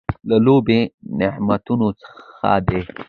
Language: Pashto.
له لويو نعمتونو څخه دى.